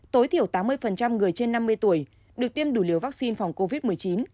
tối thiểu tám mươi người trên năm mươi tuổi được tiêm đủ liều vaccine phòng covid một mươi chín